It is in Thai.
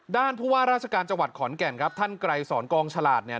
ผู้ว่าราชการจังหวัดขอนแก่นครับท่านไกรสอนกองฉลาดเนี่ย